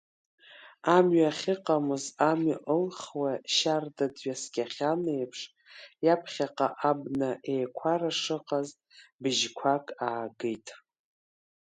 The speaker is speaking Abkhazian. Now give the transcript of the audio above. Амҩа ахьыҟамыз амҩа ылхуа, шьарда дҩаскьахьан еиԥш, иаԥхьаҟа абна еиқәара шыҟаз быжьқәак аагеит.